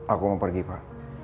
aku mau pergi pak